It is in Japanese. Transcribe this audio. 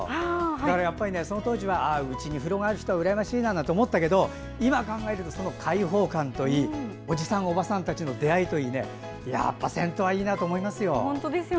だからその当時はうちに風呂がある人はうらやましいなと思ったけど今、考えてみるとその開放感といいおじさん、おばさんたちの出会いといいやっぱ銭湯はいいなと思いますよ。